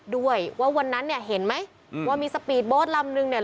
ด้วยว่าวันนั้นเนี่ยเห็นไหมอืมว่ามีสปีดโบ๊ทลำนึงเนี่ย